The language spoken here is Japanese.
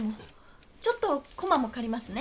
ちょっとコマもかりますね。